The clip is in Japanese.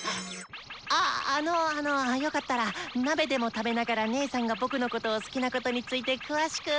ああのあのよかったら鍋でも食べながら姐さんが僕のことを好きなことについて詳しく。